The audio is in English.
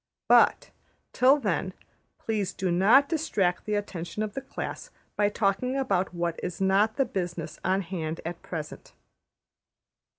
But, till then, please do not distract the attention of the class by talking about what is not the business on hand at present.''